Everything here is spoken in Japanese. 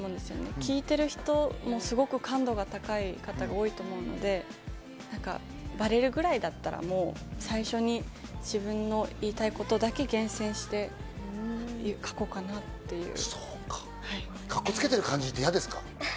聞いてる方、感度が高い方が多いと思うのでバレるくらいだったら最初に自分の言いたいことだけ厳選して書こカッコつけてる感じって嫌ですか？